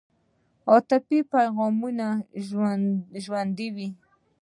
عاطفې مو پیغامونه د ژوندون وای